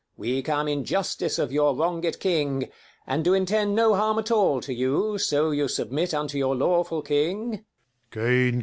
5 We come in justice of your wronged king, And do intend no harm at all to you, So you submit unto your lawful king.